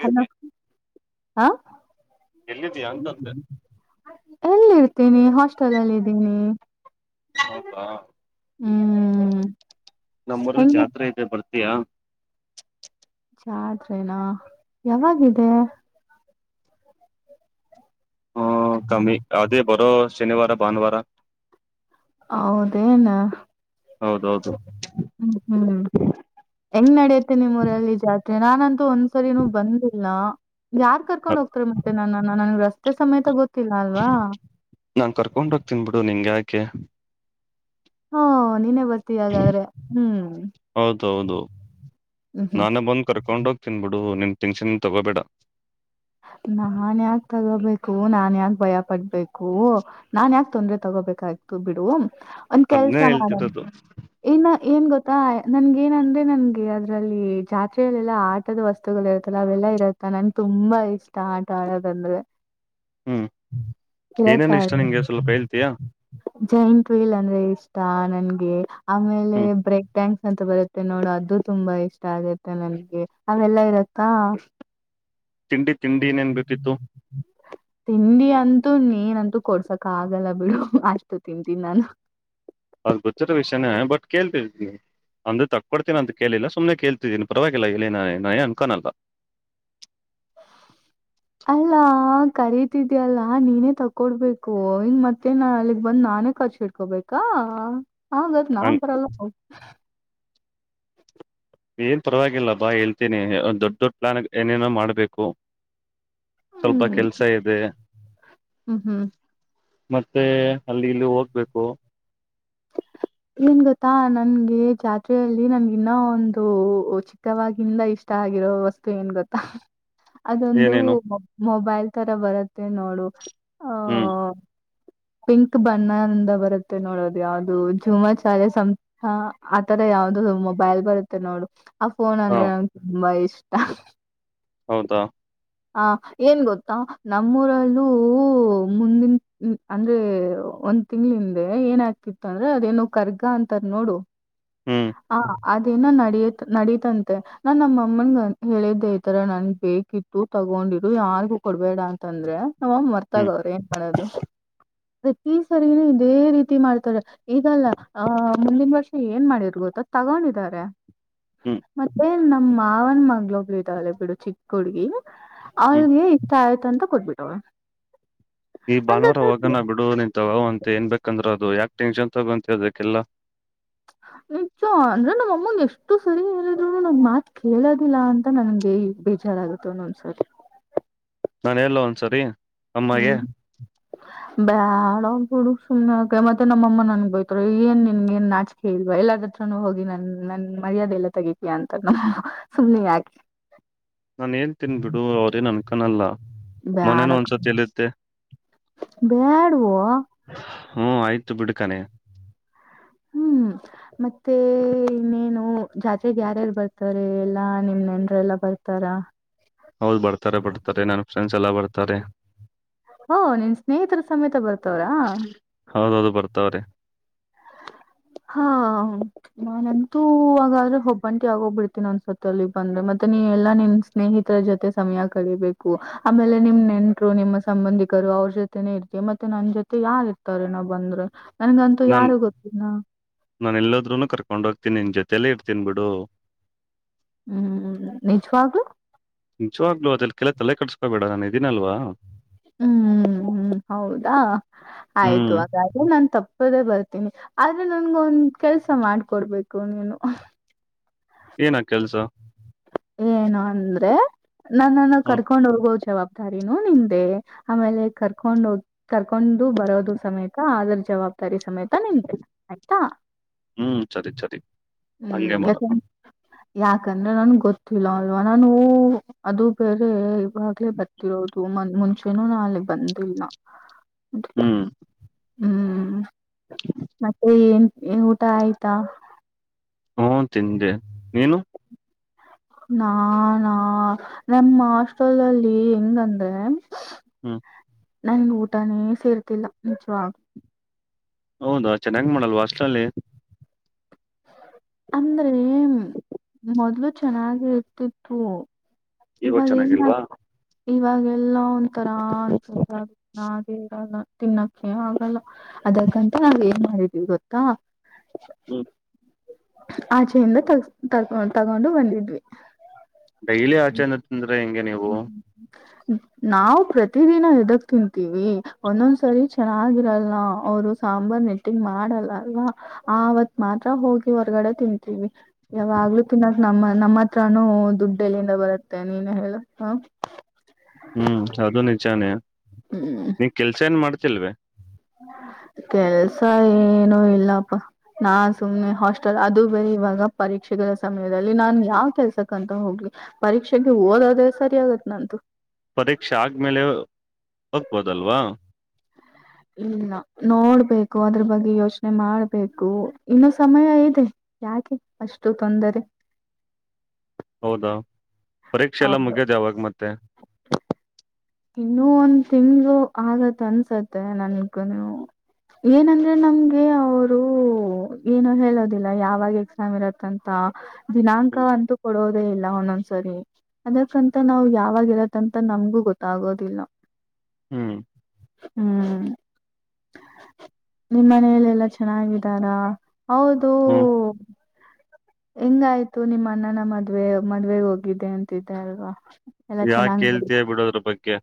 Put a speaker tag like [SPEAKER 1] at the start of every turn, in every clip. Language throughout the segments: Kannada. [SPEAKER 1] ಹಲೋ ಹಾ
[SPEAKER 2] ಎಲ್ಲಿದ್ಯಾ ಅಂತಂದೆ
[SPEAKER 1] [inaudible] ಎಲ್ಲಿ ಇರ್ತೀನಿ ಹಾಸ್ಟೆಲ್ ಅಲ್ಲಿ ಇದಿದ್ದೀನಿ
[SPEAKER 2] ಹೌದಾ
[SPEAKER 1] ಹ್ಮ್
[SPEAKER 2] ನಮ್ಮ್ ಮರಲ್
[SPEAKER 1] ಹೆಂಗಿ
[SPEAKER 2] ಜಾತ್ರೆ ಇದೆ ಬರ್ತೀಯಾ
[SPEAKER 1] ಜಾದ್ರನಾ ಯಾವಾಗಿದೆ
[SPEAKER 2] ಹ್ಮ ಕಮ್ಮಿ ಅದೇ ಬರೋ ಶನಿವಾರ ಭಾನುವಾರ
[SPEAKER 1] ಹೌದೇನ್ [inaudible]
[SPEAKER 2] ಹೌದೌದು
[SPEAKER 1] ಹ್ಮ್ ಹ್ಮ್ ಹೆಂಗ್ ನಡೆಯತ್ತೆ ನಿಮ್ಮ ಊರಲ್ಲಿ ಜಾತಿ ಅ ನಾನಂತೂ ಒಂದ್ಸರಿನೂ ಬಂದಿಲ್ಲ ಯಾರ್ ಕರ್ಕೊಂಡ್ ಹೋಗ್ತಾರೆ ಮತ್ತೆ ನನ್ನ ನನಗೆ ರಸ್ತೆ ಸಮೇತ ಗೊತ್ತ
[SPEAKER 2] ನಾನ್ ಕರ್ಕೊಂಡೋಗ್ತನ್ಬಿಡು ನಿನ್ಗೆ ಯಾಕೆ
[SPEAKER 1] ಹಾ ನೀನೇ ಬರ್ತೀ ಹಾಗಾದ್ರೆ ಹ್ಮ್
[SPEAKER 2] ಹೌದೌದು
[SPEAKER 1] ಹ್ಮ್ ಹ್ಮ್
[SPEAKER 2] ನಾನೇ ಬಂದ್ ಕರ್ಕೊಂಡೋಗ್ ತಿನ್ಬಿಡು ನೀನ್ ತನ್ಸಿನ ತಗೋಬೇಡ
[SPEAKER 1] ನಾನ್ ಯಾಕ ತಗೋಬೇಕು ನಾನ್ ಯಾಕ ಭಯ ಪಡ್ಬೇಕು ನಾನ್ ಯಾಕ ತೊಂದ್ರೆ ತಗೋಬೇಕು ಆಗ್ತು ಬಿಡು ಒಂದ ಕೆಲ್ಸ
[SPEAKER 2] ಅದ್ನೇ
[SPEAKER 1] ಮಾಡ
[SPEAKER 2] ಹೇಳ್ತಿರೋದು
[SPEAKER 1] ಇನ್ನ ಏನ್ ಗೊತ್ತ ತ್ತಾ ನನ್ಗ ಏನಂದ್ರೆ ನನ್ಗೆ ಅದ್ರಲ್ಲಿ ಜಾತ್ರರೆಲ್ಲೆಲ್ಲಾ ಆಟದ ವಸ್ತುಗಳು ಇರುತ್ತಲ್ಲ ಅವೆಲ್ಲಾ ಇರತ್ತೆ ನನ್ಗೆ ತುಂಬಾ ಇಷ್ಟ ಆಟ ಆಡೋದಂದ್ರೆ
[SPEAKER 2] ಹ್ಮ್ ಏನೇನ್ ಇಷ್ಟ
[SPEAKER 1] ಇವತ್ತಾರು
[SPEAKER 2] ನಿಂಗೆ ಸ್ವಲ್ಪ ಹೇಳ್ತೀಯಾ
[SPEAKER 1] ಜೈಂಟ್ ವೀಲ್ ಅಂದ್ರೆ ಇಷ್ಟ ನನ್ಗೆ ಆಮೇಲೆ
[SPEAKER 2] ಹ್ಮ್
[SPEAKER 1] ಬ್ರೇಕ್ ಡ್ಯಾಂಕ್ಸ್ ಅಂತ ಬರುತ್ತೆ ನೋಡು ಅದು ತುಂಬಾ ಇಷ್ಟ ಆಗತ್ತೆ ನನ್ಗೆ ಅವೆಲ್ಲಾ ಇರತ್ತಾ
[SPEAKER 2] ತಿಂಡಿ ತಿಂಡಿ ಏನೇನ್ ಬೇಕಿತ್ತು
[SPEAKER 1] [inaudible] ತಿಂಡಿ ಅಂತ ನೀನಂತೂ ಕೊಡ್ಸಕ ಆಗಲ್ಲ ಬಿಡು ಆಯ್ತು ತಿಂತೀನಿ ನಾನು
[SPEAKER 2] ಅಧು ಗೊತ್ತಿರ ವಿಷಯಾನೇ ಬಟ್ ಕೇಳ್ತ ನೀ ಅಂದ್ರೆ ತಕ್ಕಕೊಡ್ತೀನ ಅಂತ ಕೇಳಲಿಲ್ಲ ಸುಮ್ನೆ ಕೇಳ್ತಿದೀನಿ ಪರವಾಗಿಲ್ಲ ಇಲ್ಲಿ ನಯ ಅನ್ಕಾನಲ್ಲ
[SPEAKER 1] ಕರೀತಿದ್ಯಲ್ಲಾ ನೀನೇ ತಕೊಡ್ಬೇಕು ಹಿಂಗ ಮತ್ತೆ ಅಲ್ಲಿಗ್ ಬಂದ್ ನಾನೇ ಖರ್ಚು ಇಡ್ಕೊಬೇಕಾ ಹ ಹ ಬ ನಾ ಬರಲ್ಲ ಹ
[SPEAKER 2] ಏನ್ ಪರವಾಗಿಲ್ಲ ಬಾ ಹೇಳ್ತೀನಿ ದೊಡ್ಡ ದೊಡ್ ಪ್ಲಾನ್ ಏನೇನೋ ಮಾಡ್ಬೇಕು ಸ್ವಲ್ಪ
[SPEAKER 1] ಹ್ಮ್
[SPEAKER 2] ಕೆಲ್ಸ ಇದೆ
[SPEAKER 1] ಹ್ಮ್ ಹ್ಮ್
[SPEAKER 2] ಮತ್ತೆ ಅಲ್ಲಿ ಇಲ್ಲಿ ಹೋಗ್ಬೇಕು
[SPEAKER 1] [unintelligible] ಏನ್ ಗೊತ್ತಾ ನನ್ಗೆ ಜಾತ್ರೆಯಲ್ಲಿ ನನ್ಗ ಇನ್ನ ಒಂದು ಚಿಕ್ಕವಾಗಿಂದ ಇಷ್ಟ ಆ ಆಗಾಗಿರೋ ವಸ್ತು ಏನ್ ಗೊತ್ತಾ ಅದೊಂದು
[SPEAKER 2] ಏನೇನು
[SPEAKER 1] ಮೊಬೈಲ್ ತರ ಬರುತ್ತೆ ನೋಡು ಆ
[SPEAKER 2] ಹ್ಮ್
[SPEAKER 1] ಪಿಂಕ್ ಬಣ್ಣಂದ ಬರುತ್ತೆ ನೋಡದು ಯಾವ್ದದು ಝೂಮಾಚಾಲೆ ಸಂಥ ಆತರ ಯಾವ್ದು ಮೊಬೈಲ್ ಬರುತ್ತೆ ನೋಡು ಆ ಫೋನ್
[SPEAKER 2] ಹ
[SPEAKER 1] ಅಂದ್ರೆ ನಂಗೆ ತುಂಬಾ ಇಷ್ಟ
[SPEAKER 2] ಹೌದಾ
[SPEAKER 1] ಹ ಏನ್ ಗೊತ್ತಾ ನಮ್ಮೂರಲ್ಲೂ ಮುಂದಿನ ಅಂದ್ರೆ ಒಂದ್ ತಿಂಗ್ಳಿಂದೆ ಏನ ಆಾಗಗ್ತಿತ್ತು ಅಂದ್ರ ಅದೇನೋ ಕರ್ಗ ಅಂತಾರ ನೋಡು
[SPEAKER 2] ಹ್ಮ್
[SPEAKER 1] ಅದೇನ ನಡಿಯತ್ ನಡೀತಂತೆ ನಾನ್ ನಮ್ಮಮ್ಮನ್ ಹೇಳಿದ್ದ ಈತರ ನನ್ಗ್ ಬೇಕಿತ್ತು ತ ತಗೊಂಡಿದ್ರು ಯಾರ್ಗು ಕೊಡ್ಬೇಡ ಅಂತ ಅಂದ್ರೆ ನಮ್ಮಮ್ಮ ಮರ್ತಾಗ
[SPEAKER 2] ಹ್ಮ್
[SPEAKER 1] ಅವ್ರ ಏನ್ ಮಾಡೋದು ಪ್ರತಿ ಸರಿನೂ ಇದೇ ರೀತಿ ಮಾಡ್ತ ಈಗಲ್ಲ ಅಹ ಮುಂದಿನ ವರ್ಷ ಏನ್ ಮಾಡಿರ್ಬೋದು ತಗೊಂಡಿದಿದ್ದಾರೆ
[SPEAKER 2] ಹ್ಮ್
[SPEAKER 1] ಮತ್ತೆ ನಮ್ ಮಾವನ ಮಂಗ್ಳೊಬ್ರು ಇದ್ದಾವಳೆ ಬಿಡು ಚಿಕ್ಕ ಹುಡ್ಗಿ
[SPEAKER 2] ಹ್ಮ್
[SPEAKER 1] ಅವ್ರಿಗೆ ಇಷ್ಟ ಆಯ್ತು ಅಂತ ಕೊಟ್ಬಿಟ್ಟವಳ
[SPEAKER 2] ಈ ಭಾನುವಾರ ಹೋಗಗನ ಬಿಡುವ ನಿಂತ ಅಂತ ಏನ್ಬೇಕಂದ್ರೆ ಅದು ಯಾಕ ಟೆನ್ಷನ್ ತಗೊಂತರದಕ್ಕೆಲ್ಲ
[SPEAKER 1] ನಿಜ ಅಂದ್ರೆ ನಮ್ಮ್ ಅಮ್ಮನ್ ಎಷ್ಟು ಸರಿ ಹೇಳಿದ್ರು ನಂ್ ಮಾತ್ ಕೇಳೋದಿಲ್ಲ ಅಂತ ನನ್ಗೆ ಬೇಜಾರ್ ಆಗುತ್ತೆನ್ನೊಂದ್ಸರ್
[SPEAKER 2] ನಾನು ಎಲ್ಲ ಒಂದ್ಸರಿ ಅಮ್ಮಗೆ
[SPEAKER 1] ಹ್ಮ್ ಬೇಡ ಹುಡು ಸುಮ್ಮನೆ ಮತ್ತೆ ನಮ್ಮ ನನ್ಗ್ ಬಯತ ಏನ್ ನಿನ್ಗ ನ್ ನಾಚಕೆ ಇಲ್ವಾ ಎಲ್ಲಾದತ್ರನುೂ ಹೋಗಿ ನನ್ ನನ್ ಮರ್ಯಾದೆ ಎಲ್ಲ ತೆಗಿತಿಯಯ ಅಂತ ನ ಸುಮ್ನೆ ಯಾಕೆ
[SPEAKER 2] ನಾನ ಏನ್ ತಿನ್ ಬಿಡು ಅವರೇನ್ ಅನ್ಕನಲ್ಲ ಮನೇನ ಒಂದ್ಸತಿ ಹೇಳಿದ್ದೆ
[SPEAKER 1] ಬ್ಯಾಡುವ
[SPEAKER 2] ಹ್ಮ ಆಯ್ತು ಬಿಡ್ಕಾನೆ
[SPEAKER 1] ಹ್ಮ್ ಹ್ಮ ಮತ್ತೆ ಇನ್ನೇನು ಜಾತ್ರೆೆಗೆ ಯಾರ್ಯಾರ್ು ಬರ್ತಾರೆ ಎಲ್ಲಾ ನಿಮ್ ನೆನ್ರೆಲ್ಲ ಬರ್ತಾರಾ
[SPEAKER 2] ಹೌದ್ ಬರ್ತಾರೆ ಬರ್ತಾರೆ ನನ್ನ ಫ್ರೆಂಡ್ಸ್ ಎಲ್ಲ ಬರ್ತಾರೆ
[SPEAKER 1] ಓ ನಿನ್ ಸ್ನೇಹಿತರ ಸಮೇತ ಬರ್ತವ್ರಾ
[SPEAKER 2] ಹೌದೌದು ಬರ್ತವ್ರೆ
[SPEAKER 1] ಹಾ ನಾನಂತೂ ಆಾದ್ರೆ ಒಬ್ಬಂಟಿ ಆಗೋಗ್ಬಿಡ್ತೀನಿ ಅನ್ಸತ್ತ ಅಲ್ಲಿ ಬಂದ್ರೆ ಮತ್ತೆ ನೀ ಎಲ್ಲ ನಿಮ್ಮ ಸ್ನೇಹಿತರ ಜೊತೆ ಸಮಯ ಕಡಿಬೇಕು ಆಮೇಲೆ ನಿಮ್ ನೆಂಟ್ರು ನಿಮ್ಮ ಸಂಬಂಧಿ ಗರು ಅವ್ರ ಜೊತೆನೆೇ ಇರ್ತಿ ಮತ್ತೆ ನನ್ ಜೊತೆ ಯಾರ್ು ಇರ್ತಾರ ನ ಬಂದ್ರೆ ನನ್ಗಂತೂ ಯಾರು ಗೊತ್ತ
[SPEAKER 2] ನಾನ ಎಲ್ಲದ್ರೂ ಕರ್ಕೊಂಡ ಹೋಗ್ತೀನಿ ನಿನ್ ಜೊತೆಯಲ್ಲೇ ಇಡ್ತೀನ್ ಬಿಿಡು
[SPEAKER 1] ಹ್ಮ್ ನಿಜವಾಗ್ಲುೂ
[SPEAKER 2] ನಿಂಚವಾಗ್ಲು ಅದ್ರಕ್ಕೆಲ ತಲೆ ಕಟ್ಸ್ಕೋಬೇಡ ನು ಇದಿನಲ್ವಾ
[SPEAKER 1] ಹ್ಮ್ ಹ್ಮ್ ಹೌದಾ ಆಯ್ತು
[SPEAKER 2] ಹ್ಮ್.
[SPEAKER 1] ಹಾಗಾದ್ರೆ ನನ್ ತಪ್ಪ ಪದೆ ಬರ್ತೀನಿ ಆದ್ರೆ ನನ್ಗ ಒಂದ್ ಕೆಲ್ಸ ಮಾಡ್ಕೊಡ್ಬೇಕು ನೀನು
[SPEAKER 2] ಏನ ಕೆಲ್ಸ
[SPEAKER 1] ಏನು ಅಂದ್ರೆ ನನ್ನನ್ನ
[SPEAKER 2] ಹ್ಮ್,
[SPEAKER 1] ಕರ್ಕೊಂಡ್ ಹೋಗವ ಜವಾ ಾರನ ನಿಂದೆ ಆಮೇಲೆ ಕರ್ಕೊಂಡ ಹೋಗ ಕರ್ಕೊಂಡು ಬರೋದು ಸಮೇತ ಅದ್ರ ಜವಾಬ ತ್ತಾರೆ ಸಮಯ
[SPEAKER 2] ಹ್ಮ್ ಸರಿ ಸರಿ
[SPEAKER 1] ಹ್ಮ್.
[SPEAKER 2] ಹಂಗಗೆ ಮಾಡಮ್ಮ
[SPEAKER 1] ಯಾಕಂದ್ ಯಾಕಂದ್ರೆ ನನ್ಗ್ ಗೊತ್ತಿಲ್ಲ ಅಲ್ವಾ ನಾನು ಅದು ಬೇರೆ ಇವಾಗಲೇ ಬತಿರೋ ಹ ಮ ಮುಂಚೆನೂ ನಾಲೆ ಬಂದಿಲ್ಲ
[SPEAKER 2] ಹ್ಮ್
[SPEAKER 1] ಹ್ಮ್ ಮತ್ತೆ ಏನ್ ಊಟ ಆಯ್ತಾ
[SPEAKER 2] ಹ್ಮ ತಿಂದೆ ನೀನು
[SPEAKER 1] ನಾ ನಾ ನಮ್ಮ್ ಹಾಸ್ಟೆಲ್ ಅಲ್ಲಿ ಹೆಂಗಂದ್ರೆ
[SPEAKER 2] ಹ್ಮ
[SPEAKER 1] ನನ್ಗೆ ಊಟಾನೇ ಸೇರ್ತಿಲ್ಲ ನಿಜವ
[SPEAKER 2] ಹೌದಾ ಚೆನ್ನಾಗಿ್ ಮಾಡಲ್ವ ಅಷ್ಟ್ರಲ್ಲಿ
[SPEAKER 1] ಅಂದ್ರೆ ಮೊದ್ಲು ಚೆನ್ನಾಗಿ ಇರ್ತಿತ್ತು
[SPEAKER 2] ಈವಾಗ ಚೆನ್ನಾಗಿಲ್ವಾ
[SPEAKER 1] ಇವಾಗ ಎಲ್ಲ ಒಂಥರ ಅನ್ಸುತ್ತ ಅದು ನ ಇರಲ್ಲ ತಿನ್ನಕ್ಕೆ ಆಗಲ್ಲ ಅದಕ್ಕಂತ ನಾವ್ ಏನ್ ಮಾಡಿದೀವಿ ಗೊತ್ತಾ
[SPEAKER 2] ಹ್ಮ್.
[SPEAKER 1] ಆಚೆಯಿಂದ ತ ತೊ ತಗೊಂಡು ಬಂದಿದ್ವಿ.
[SPEAKER 2] ಡೈಲಿ ಆಚೆನ್ನು ತಿಂದ್ರೆ ಹೆಂಗೆ ನೀವು.
[SPEAKER 1] ನಾವವು ಪ್ರತಿದಿನ ಇದಕ್ ತಿಂತೀವಿ ಒಂದೊಂದ್ಸರಿ ಚೆನ್ನಾಗಿರಲ್ಲ. ಅವರು ಸಾಂಬಾರ್ ನೆಟ್ಟಿಂಗ್ ಮಾಡಲ್ಲಲ್ವಾ ಆವತ್ ಮಾತ್ರ ಹೋಗಿ ಹೊರಗಡೆ ತಿಂತೀವಿ ಯಾವಾಗ್ಲೂ ತಿನ್ನಕ್ ನಮ್ಮ ನಮ್ಮ ಹತ್ರಾನೂ ದುಡ್ಡಲ್ಲಿಿಂದ ಬರುತ್ತೆ ನೀನ ಹೇಳ ಹ
[SPEAKER 2] ಹ್ಮ್ ಅದು ನಿಜಾನಯ
[SPEAKER 1] ಹ್ಮ್
[SPEAKER 2] ನೀ ಕೆಲ್ಸ ಏನ್ ಮಾಡ್ತಿಲ್ವ
[SPEAKER 1] ಕೆಲ್ಸ ಏನೂ ಇಲ್ಲಪ್ಪ ನಾ ಸುಮ್ನೆ ಹಾಸ್ಟೆಲ್ ಅದು ಬರಿ ಇವಾಗ ಪರೀಕ್ಷೆಗಳ ಸಮಯದಲ್ಲಿ ನಾನ್ ಯಾವ ಕೆಲ್ಸಕ್ಕಂತ ಹೋಗ್ಿ ಪರೀಕ್ಷೆಗೆ ಓದೋದ ಸರಿ ಆಗುತ್ತೆ ನು
[SPEAKER 2] ಪರೀಕ್ಷೆ ಆದ್ಮೇಲೆ ಹೋಗ್ಬೋದಲ್ವಾ
[SPEAKER 1] ಇಲ್ಲ ನೋಡ್ಬೇಕು ಅದ್ರ ಬಗ್ಗೆ ಯೋಚನೆ ಮಾಡ್ಬೇಕು ಇನ್ನು ಸಮಯ ಇದೆ ಯಾಕೆ ಅಷ್ಟು ತೊಂದರೆ
[SPEAKER 2] ಹೌದಾ ಪರೀಕ್ಷೆ ಎಲ್ಲ
[SPEAKER 1] ಹೌದು
[SPEAKER 2] ಮುಗಿಯೋದ ಯಾವಾಗ ಮತ್ತೆ.
[SPEAKER 1] ಇನ್ನುೂ ಒಂದ್ ತಿಂಗ್ಳ ಆಗತ್ ಅನ್ಸತ್ತೆ ನನ್ಗುನು. ಏನಂದ್ರೆ ನಮ್ಗೆ ಅವರು ಏನು ಹೇಳೋದಿಲ್ಲ ಯಾವಾಗ ಎಕ್ಸಾಮ್ ಇರತ್ತಂತ. ದಿನಾಂಕ ಅಂತೂ ಕೊಡೋದೇ ಇಲ್ಲ ಒಂದೊಂದ್ಸರಿ ಅದಕ್ಕಂತ ನಾವು ಯಾವಾಗ ಇರದಂತ. ನಮ್ಗೂ ಗೊತ್ತಾಗೋದಿಲ್ಲ
[SPEAKER 2] ಹ್ಮ್,
[SPEAKER 1] ಹ್ಮ್ ನಿಮ್ಮ ಮನಲೆಲ್ಲ ಚೆನ್ನಾಗಿದ್ದಾರಾ. ಹೌದು
[SPEAKER 2] ಹ್ಮ್
[SPEAKER 1] ಹೆಂಗಾಯ್ತು ನಿಮ್ಮ ಅಣ್ಣನ ಮದ್ವೆ ಮದ್ವೆಗ್ ಹೋಗಿದ್ದೆ ಅಂತಿದ್ದಲ್ವಾ.
[SPEAKER 2] ಯಾ ಕೇಳ್ತಯ ಬಿಡೋದ್ರ ಬಗ್ಗೆ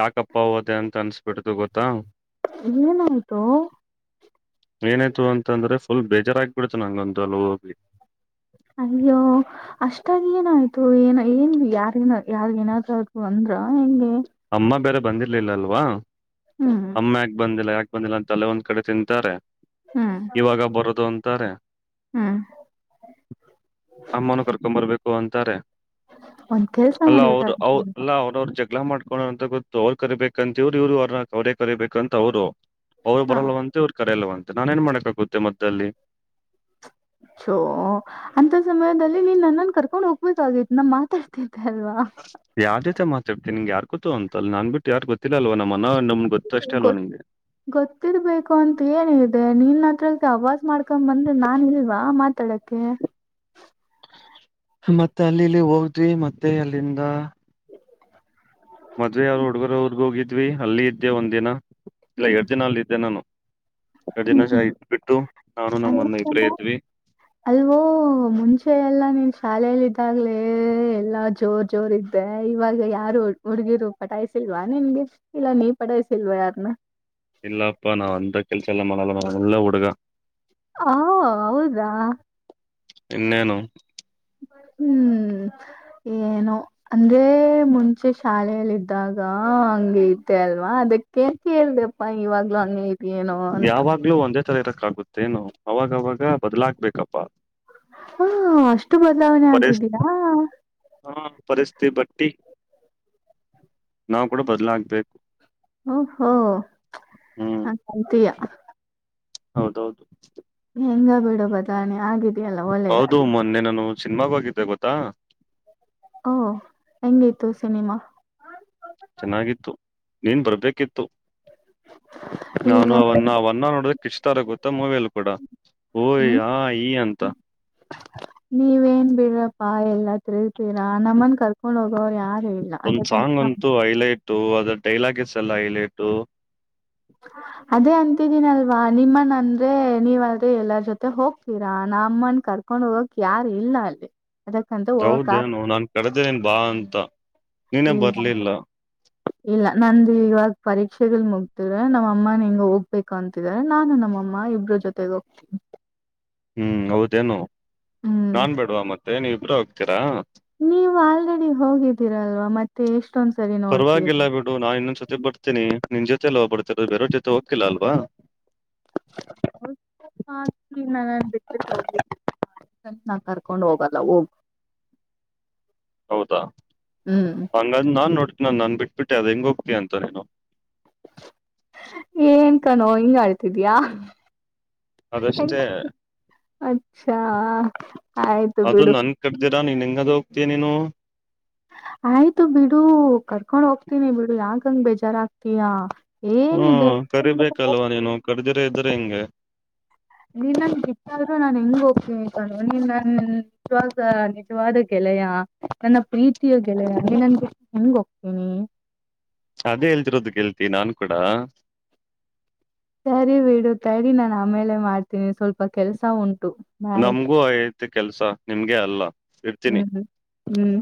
[SPEAKER 2] ಯಾಕಪ್ಪ ಹೋದೆ ಅಂತ ಅನ್ಸ್ಬಿಟ್ಟು ಗೊತ್ತಾ.
[SPEAKER 1] ಏನಾಯ್ತು.
[SPEAKER 2] ಏನಾಯ್ತು ಅಂತಂದ್ರೆ ಫುಲ್ ಬೇಜಾರಾಗಬಿಡ್ತು ನಂಗೊಂದು ಅಲ ಹೋಗ್ಿ
[SPEAKER 1] [inaudible] ಅಯ್ಯೋ ಅಷ್ಟಾಗಿ ಏನಾಯ್ತು ಏನ ಏನ್ ಯಾರಿ ಯಾರ ಏನಾದ್ರೂ ಅಂದ್ರ ಹೆಂಗೆ.
[SPEAKER 2] ಅಮ್ಮ ಬೇರೆ ಬಂದಿರ್ಲಿಲ್ಲ ಅಲ್ವಾ
[SPEAKER 1] ಹ್ಮ್
[SPEAKER 2] ಅಮ್ಮ ಯಾಕೆ ಬಂದಿಲ್ಲ ಯಾಕ. ಬಂದಿಲ್ಲ ಅಂತ ಅಲ್ಲೇ ಒಂದ್ ಕಡೆ ತಿಂತಾರೆ
[SPEAKER 1] ಹ್ಮ್
[SPEAKER 2] ಇವಾಗ ಬರದು ಅಂತಾರೆ.
[SPEAKER 1] ಹ್ಮ್
[SPEAKER 2] ಅಮ್ಮಾನ ಕರ್ಕೊ್ಂಬರ್ಬೇಕು ಅಂತಾರೆ.
[SPEAKER 1] ಒಂದ್ ಕೆಲ್ಸ
[SPEAKER 2] ಅಲ್ಲ ಅವರು
[SPEAKER 1] ಮಾಡ್ಬೇಕಾಗಿತ್ತು
[SPEAKER 2] ಅವ
[SPEAKER 1] ನೀನು
[SPEAKER 2] ಅಲ್ಲ ಅವ್ರವ್ರ ಜಗಳ ಮಾಡ ೋಣ ಅಂತ ಗೊತ್ತು ಅವ್ರು ಕರಿಬೇಕಂತ ಇವ್ರು ಇವ್ರು ಅವ್ರನ್ನ ಅವರೇ ಕರಿಬೇಕಂತ ಅವ್ರು. ಅವರು
[SPEAKER 1] ಹಾ
[SPEAKER 2] ಬರಲ್ವಂತೆ ಅವ್ರ ಕರೆಯಲ್ಲವಂತೆ ನಾನ ಏನ್ ಮಾಡಕ್ ಆಾಗುತ್ತೆ ಮತ್ತೆ ಅಲ್ಲಿ.
[SPEAKER 1] ಚೋ ಅಂತ ಸಮಯದಲ್ಲಿ ನೀನ್ ನನ್ನನ್ ಕರ್ಕೊಂಡ್ ಹೋಗ್ಬೇಕ ಆತ್ತು ನಮ ಮಾತಾಡ್ತೀನಿ.
[SPEAKER 2] ಯಾವ್ದ್ಯತೆ ಮಾತಾಡ್ತಿ ನಿನ್್ ಯಾರ್ ಗೊೋ ಅಂತ ಅಲ್ಲ ನಾನ್ ಬಿಟ್ಟು ಯಾರ್ು ಗೊತ್ತಿಲ್ಲ ಅಲ್ವ ನಮ್ಮ ಅಣ್ಣ ನಮ್ಗ್ ಗೊತ್ತು ಅಷ್ಟೇ
[SPEAKER 1] ಗೊ
[SPEAKER 2] ಅಲ್ವಾ ನಿಂಗೆ
[SPEAKER 1] ಗೊತ್ತಿರ್ಬೇಕು ಅಂತ ಏನದೆ ನಿನ್ ಹತ್ರ ಅವವಾಜ ಮಾಡ್ಕೊ ಬಂದ್ರೆ ನಾನ್ ಇಲ್ವಾ ಮಾತಾಡಕ್ಕೆ.
[SPEAKER 2] ಮತ್ತೆ ಅಲ್ಲಿ ಇಲ್ಲಿ ಹೋಗದ್ವಿ ಮತ್ತೆ ಅಲ್ಲಿಂದ ಮದ್ವೆ ಯಾರರು ಹುಡ್ಗರು ಅವರ್ಗ ಹೋಗಿದ್ವಿ ಅಲ್ಲಿ ಇದ್ದೆ ಒಂದ್ನ ಇಲ್ಲ
[SPEAKER 1] ಹ್ಮ್
[SPEAKER 2] ಎರಡ್ ದಿನ ಅಲ್ಲ ಇದ್ದೆ ನಾನು.
[SPEAKER 1] ಹ್ಮ್
[SPEAKER 2] ದಿನಶಾಹ ಇದ್ದುಬಿಟ್ಟು ನಾನು
[SPEAKER 1] ಅ
[SPEAKER 2] ನಮ್ಮನ್ನು ಇಪ್ರೇತ್ವಿ
[SPEAKER 1] ಅಲ್ವೋ ಮುಂಚೆ ಎಲ್ಲ ನೀನ್ ಶಾಲೆಯಲ್ಲಿೆಯಲ್ಲಿ ಈಾಗಲೇ ಎಲ್ಲಾ ಜೋರ್ ಜೋರ್ ಇದ್ದೆ ಇವಾಗ ಯಾರು ಹುಡುಗಿರು ಪಟಾಯ್ಸಿಲ್ವಾ ನಿನ್ಗೆ. ಇಲ್ಲಾ ನೀ ಪಡಸಲ್ವಾ ಯಾರನ್ನ.
[SPEAKER 2] ಇಲ್ಲಾಪ್ಪ ನಾ ಅಂದ ಕೆಲ್ಸ ಎಲ್ಲ ಮನಾಲ ನ ಒಳ್ಳೆ ಹಡುಗ
[SPEAKER 1] ಹ ಹೌದಾ
[SPEAKER 2] ಇನ್ನೇನ
[SPEAKER 1] ಹ್ಮ್ ಏನು ಅಂದ್ರೆ ಮುಂಚೆ ಶಾಲೆಯಲ್ಲಿಿದ್ದಾಗ. ಅಂಗತಲ್ವಾ ಅದ ಕೇಳಿದಪ್ಪ ಇವಾಗಲ ಏನೋ ಅಂತ.
[SPEAKER 2] ಹತ್ತರ ಇರಕ್ಕಾಗುತ್ತೇನು ಅವಾಗವಾಗ ಬದ್ಲಾಗ್ಬೇಕಪ್ಪಾ.
[SPEAKER 1] ಹಾ ಅಷ್ಟು ಬದಲಾವಣೆ ಆಗಿದೀಯಾ
[SPEAKER 2] ಪರಿಸ್ಥಿತಿ ಪರಿಸ್ಥಿತಿ ಭಟ್ ನಾವವು ಕೂಡ ಬದ್ಲಾಗಬೇಕು.
[SPEAKER 1] ಓ ಹೋ
[SPEAKER 2] ಹ್ಮ್
[SPEAKER 1] ಹ ಕಂತಯ.
[SPEAKER 2] ಹೌದೌದು.
[SPEAKER 1] ಹೆಂಗ ಬಿಡು ಬದಾನೆ ಆಗಿದ್ದ
[SPEAKER 2] ಹೌದು ಮೊನ್ನೆ ನಾನು ಸಿನಿಮಾಗ ಹೋಗಿದ್ದೆ ಗೊತ್ತಾ.
[SPEAKER 1] ಓ ಹೆಂಗತ್ತು ಸಿನಿಮಾ.
[SPEAKER 2] ಚೆನ್ನಾಗಿತ್ತು ನೀನ್ ಬರ್ಬೇಕಿತ್ತು.
[SPEAKER 1] ಇಲ್ಲ
[SPEAKER 2] ನಾನು ಅವನ್ನ ಅವನ್ನ ನೋಡದಕ್ ಇಷ್ಟ ತಾರ ಗೊತ್ತ ಮೂವಿಯಲ್ಲಿ ಕೂಡ. ಓಯ್
[SPEAKER 1] ಹ್ಮ್
[SPEAKER 2] ಹ ಈ ಅಂತ.
[SPEAKER 1] ನೀವೇನ್ ಬಿಡಪ್ಪಾ ಎಲ್ಲಾ ತಿರಿತೀರಾ ನಮ್ಮನ್ ಕರ್ಕೊಂಡ್ ಹೋಗ.
[SPEAKER 2] ಒಂದ್ ಸಾಂಗ್ ಅಂತೂ ಹೈಲೈಟ ಅದ್ರ ಡೈಲಾಗಸ್ ಎಲ್ಲ ಹೈಲೈಟ.
[SPEAKER 1] ಅದೇ ಅಂತಿದೀನಲ್ವಾ ನಿಮ್ಮನ ಅಂದ್ರೆ ನೀವಲ್ೆ ಎಲ್ಲರ ಜೊತೆ ಹೋಗ್ತೀರಾ. ಅಮ್ಮನ್ ಕರ್ಕೊಂಡ್ ಹೋಗಕ್ ಯಾರು ಇಲ್ಲ ಅಲ್ಲಿ. ಅದಕ್ಕಂತ ಹೋಗಕ್ ಆಗ್
[SPEAKER 2] ಹೌದೇನು ನಾನ್ ಕಡದೇನ್ ಬಾ ಅಂತ. ನೀನೇ
[SPEAKER 1] ಇಲ್ಲ
[SPEAKER 2] ಬರ್ಲಿಲ್ಲ
[SPEAKER 1] ಇಲ್ಲ ನಂದು ಇವಾಗ್ ಪರಿಷೆಗುಲ್ ಮುಗ್ಧಡದೆ ನಮ್ಮ ಅಮ್ಮನ ಹಿಂಗ ಹೋಗ್ಬೇಕು ಅಂತಿದ್ದಾರೆ ನಾನು ನಮ್ಮಮ್ಮ ಇಬ್ರು ಜೊತೆಗೆ ಹೋಗ್ತೀನ್ [inaudible]
[SPEAKER 2] ಹ್ಮ್ ಹೌದೇನು
[SPEAKER 1] ಹ್ಮ್
[SPEAKER 2] ನಾನ್ ಬೇಡ್ವಾ ಮತ್ತೆ ನೀವ್ ಇಬ್ರೇ ಹೋಗ್ತೀರಾ.
[SPEAKER 1] ನೀವು ಆಲ್ರೆಡಿ ಹೋಗಿದ್ದೀರಲ್ವಾ ಮತ್ತೆ ಎಷ್ಟ
[SPEAKER 2] ಪರವಾಗಿಲ್ಲ ಬಿಡು ನಾನ್ ಇನ್ನೊಂದ ಸತಿ ಬರ್ತೇನಿ. ನಿನ್ ಜೊತೆ ಎಲ್ಲ ಹೋಗ್ಬಿಡ್ತರ ಬೇರವ ಜೊತೆ ಹೋಗ್ತಿಲ್ಲ ಅಲ್ವಾ.
[SPEAKER 1] [inaudible] ನನ್ನನ್ ಬೆಟ್ಟ. [unintelligible] ನಾ ಕರ್ಕೊಂಡ್ ಹೋಗಲ್ಲ ಹೋಗು.
[SPEAKER 2] ಹೌದಾ ಹಂಗಂದ್ ನಾನ್ ನೋಡ್ತಿ ನಾನ್ ನನ್ ಬಿಟ್ಬಿಟ್ಟೆ ಅದ್ ಹೆಂಗ ಹೋಗ್ತ ಅಂತ ನೀನು.
[SPEAKER 1] ಏನ್ ಕಣೋ ಹಿಂಗ ಆಡ್ತಿದೀಯಾ.
[SPEAKER 2] ಅದಷ್ಟೇ.
[SPEAKER 1] ಅಚ್ಚಾ ಆಯ್ತು ಬಿಡು.
[SPEAKER 2] ಅದು ಹೋತಿ ನೀನು.
[SPEAKER 1] ಆಯ್ತು ಬಿಡು ಕರ್ಕೊಂಡ್ ಹೋಗ್ತೀನಿ ಬಿಡು ಯಂಗಂಗ ಬೇಜಾರಾಗಗ್ತಯಾ.
[SPEAKER 2] ಹ್ಮ ಕರಿಬೇಕಲ್ವಾ ನೀನು ಕಡದಿರ ಇದ್ರೆ ಹೆಂಗೆ.
[SPEAKER 1] ನೀನ್ನನ್ ಬಿಟದ್ರೂ ನಾನ್ ಹೆಂಗ್ ಹೋಗತೀನಿ ಕಣೋನಿನ್ ನನ್ ನಿಜವಾದ ನಿಜವಾದ ಗೆಳ್ ಗೆಳೆಯಾ ನನ್ನ ಪ್ರೀತಿಯ ಗೆಳೆಯ ನೀ ನನ್ಗೆ ಹೆಂಗ ಹೋಗ್ತೀನಿ
[SPEAKER 2] ಅದೇ ಹೇಲ್ತಿರೋದು ಗೆಳ್ತಿ ನಾನ್ ಕೂಡ.
[SPEAKER 1] ಸರಿ ಬಿಡು ತಡಿ ನಾನ್ ಆಮೇಲೆ ಮಾಡ್ತೀನಿ ಸ್ವಲ್ಪ ಕೆಲ್ಸ ಉಂಟ್
[SPEAKER 2] ನಮ್ಗೂ ಐತಿ ಕೆಲ್ಸ ನಿಮ್ಗೆ ಅಲ್ಲ ಇರ್ತೀನಿ.
[SPEAKER 1] ಹ್ಮ್ ಹ್ಮ್.